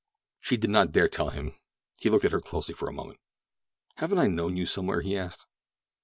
She did not dare tell him. He looked at her closely for a moment. "Haven't I known you somewhere?" he asked.